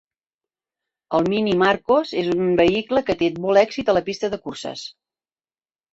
El Mini Marcos és un vehicle que té molt èxit a la pista de curses.